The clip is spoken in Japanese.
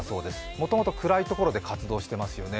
もともと暗いところで活動してますよね。